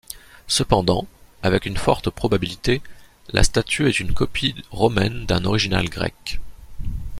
Cependant, avec une forte probabilité, la statue est une copie romaine d'un original grec.